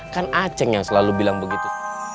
kan aceh yang selalu bilang begitu